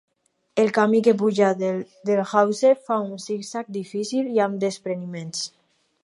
El camí que puja des del Hause fa un zig-zag difícil i amb despreniments.